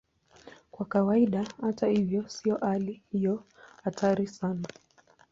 Kwa kawaida, hata hivyo, sio hali iliyo hatari sana.